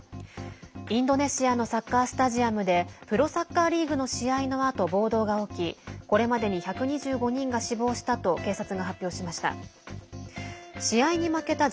インドネシアのサッカースタジアムでプロサッカーリーグの試合のあと暴動が起きこれまでに１２５人が死亡したと警察が発表しました。